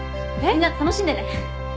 みんな楽しんでね。